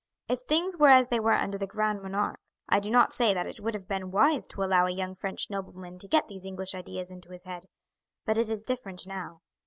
If things were as they were under the Grand Monarque, I do not say that it would have been wise to allow a young French nobleman to get these English ideas into his head, but it is different now.